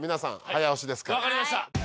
分かりました。